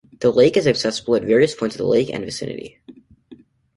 The lake is accessible at various points of the lake and vicinity.